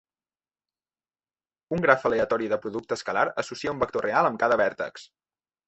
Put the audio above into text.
Un graf aleatori de producte escalar associa un vector real amb cada vèrtex.